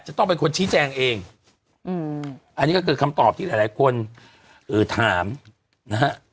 จะต้องเป็นคนชี้แจงเองอันนี้ก็คือคำตอบที่หลายคนถามนะฮะ